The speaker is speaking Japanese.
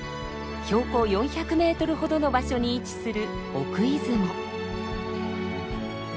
標高４００ｍほどの場所に位置する奥出雲。